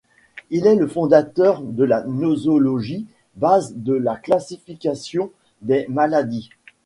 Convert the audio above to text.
Il est le fondateur de la nosologie, base de la classification des maladies.